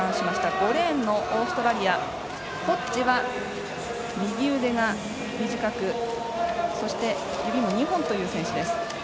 ５レーンのオーストラリアホッジは右腕が短くそして、指も２本という選手です。